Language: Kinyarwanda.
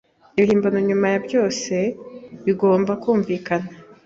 Ibihimbano, nyuma ya byose, bigomba kumvikana.